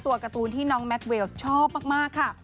ตัวการ์ตูนที่น้องแม็กเวลส์ชอบมากค่ะ